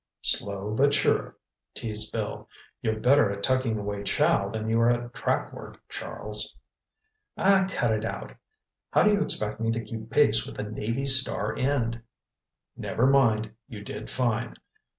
"Slow but sure," teased Bill. "You're better at tucking away chow than you are at track work, Charles." "Aw, cut it out! How do you expect me to keep pace with the Navy's star end?" "Never mind, you did fine.